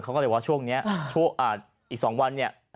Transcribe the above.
เขาก็เลยว่าช่วงนี้อีก๒วันเนี่ย